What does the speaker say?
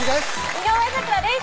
井上咲楽です